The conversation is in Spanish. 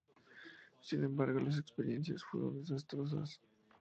Sin embargo, las experiencias fueron desastrosas.